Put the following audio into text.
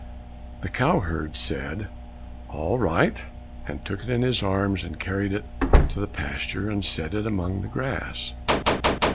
The cow herd said, "All right, and took it in his arms and carried it to the pasture, and set it among the grass."